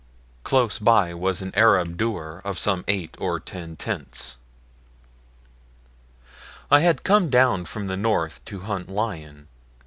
Close by was an Arab douar of some eight or ten tents. I had come down from the north to hunt lion.